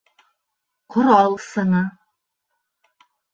Ҡорал сыңы!